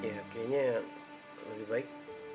ya kayaknya lebih baik